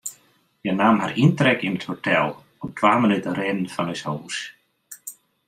Hja naam har yntrek yn it hotel, op twa minuten rinnen fan ús hûs.